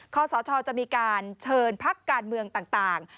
ขอสชจะมีการเชิญพักการเมืองต่าง